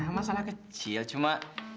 masalah kecil cuma